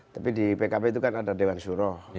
tapi di pkb itu kan ada dewan suroh